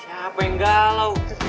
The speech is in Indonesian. siapa yang galau